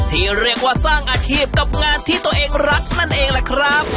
ที่เรียกว่าสร้างอาชีพกับงานที่ตัวเองรักนั่นเองแหละครับ